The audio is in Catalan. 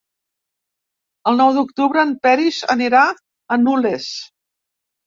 El nou d'octubre en Peris anirà a Nules.